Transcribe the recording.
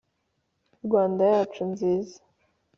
rwanda yacu nziza ,